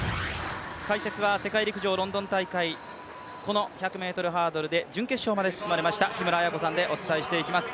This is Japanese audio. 解説は世界陸上ロンドン大会、この１００ｍハードルで準決勝まで進まれました木村文子さんでお伝えしてまいります。